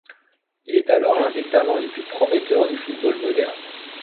Il est alors l'un des talents les plus prometteurs du football moderne.